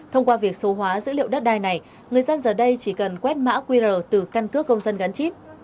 thông qua việc số hóa dữ liệu đất đai này người dân giờ đây chỉ cần quét mã qr từ căn cước công dân gắn chip